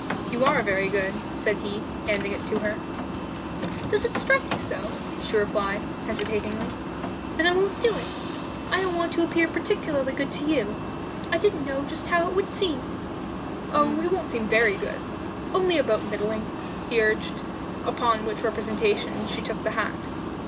"You are very good," said he, handing it to her. "Does it strike you so?" she replied, hesitatingly. "Then I won't do it. I don't want to appear particularly good to you. I didn't know just how it would seem." "Oh, it won't seem very good; only about middling," he urged, upon which representation she took the hat.